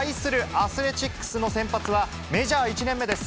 アスレチックスの先発は、メジャー１年目です。